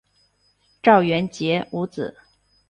赵元杰无子。